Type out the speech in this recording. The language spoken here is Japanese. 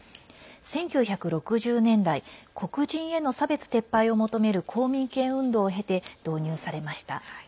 １９６０年代黒人への差別撤廃を求める公民権運動を経て導入されました。